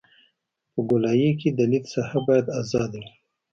په ګولایي کې د لید ساحه باید ازاده وي